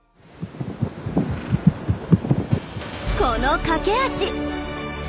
この駆け足！